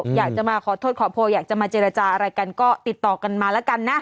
อยากจะมาขอโทษขอโพยอยากจะมาเจรจาอะไรกันก็ติดต่อกันมาแล้วกันนะ